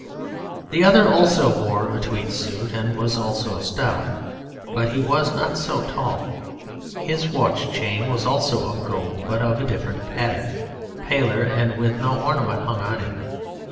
The other also wore a tweed suit and was also stout, but he was not so tall. His watch chain also was of gold (but of a different pattern, paler, and with no ornament hung on it).